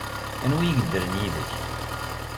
Anwi ay yeddren yid-k?